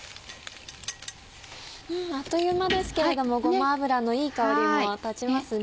あっという間ですけれどもごま油のいい香りも立ちますね。